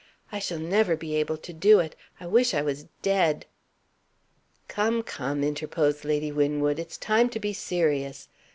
I shall never be able to do it. I wish I was dead!" "Come! come!" interposed Lady Winwood. "It's time to be serious.